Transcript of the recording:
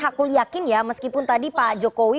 hakul yakin ya meskipun tadi pak jokowi